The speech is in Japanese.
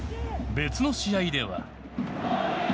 別の試合では。